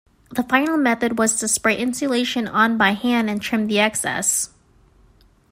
The final method was to spray insulation on by hand and trim the excess.